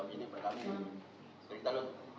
ini berarti kita lihat nanti lah itu